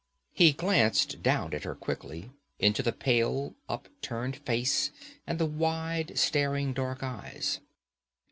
He glanced down at her quickly, into the pale, upturned face and the wide staring dark eyes.